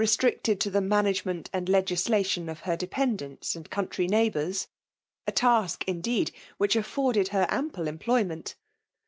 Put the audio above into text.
stricted to the manageineiit and legisls^tion of ber dependants and country neighbours^ a task^ indeed, which affi>rded her ample cmpioyineat.